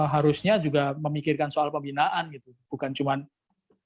harusnya juga memikirkan soal pembinaan gitu bukan cuma kepentingan bisnisnya aja gitu